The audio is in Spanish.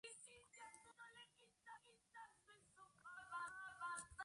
En la Alemania nazi casi siempre se acompañaba con la frase "Heil Hitler!